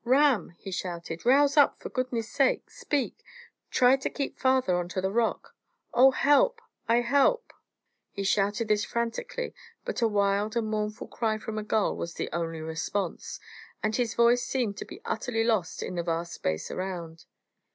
Ram!" he shouted. "Rouse up! For goodness' sake, speak! Try to creep farther on to the rock. Oh, help I help!" He shouted this frantically, but a wild and mournful cry from a gull was the only response, and his voice seemed to be utterly lost in the vast space around.